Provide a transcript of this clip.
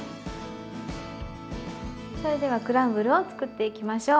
それではクランブルを作っていきましょう。